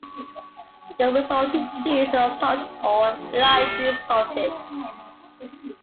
The resulting cheese is unsalted or lightly salted.